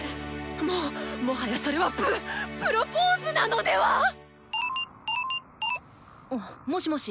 もっもはやそれはプップロポーズなのでは⁉あもしもし？